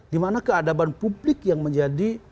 dimana keadaban publik yang menjadi